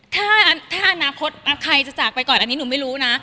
ถ้าอนาคตใครจะจากไปก่อนอันนี้หนูไม่รู้นะ